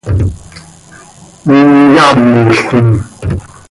Hin yaamolquim.